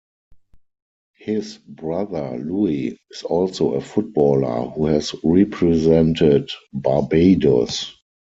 His brother Louie is also a footballer, who has represented Barbados.